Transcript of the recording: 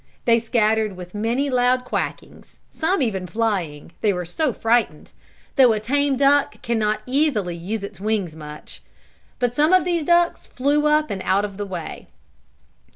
They scattered with many loud quackings, some even flying, they were so frightened; though a tame duck can not easily use its wings much. But some of these ducks flew up and out of the way.